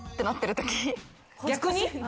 逆に？